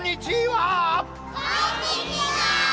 こんにちは！